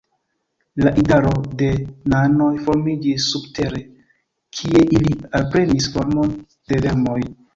La idaro de nanoj formiĝis subtere, kie ili alprenis formon de vermoj.